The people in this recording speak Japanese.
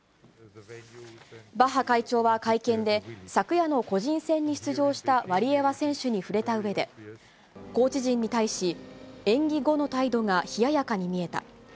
バッハ会長は会見で、昨夜の個人戦に出場したワリエワ選手に触れたうえで、コーチ陣に対し、演技後の態度が冷ややかに見えた。